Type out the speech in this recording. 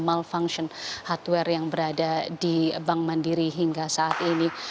malfunction hardware yang berada di bank mandiri hingga saat ini